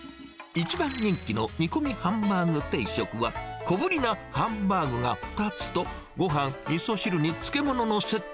一番人気の煮込みハンバーグ定食は、小ぶりなハンバーグが２つと、ごはん、みそ汁に漬物のセット。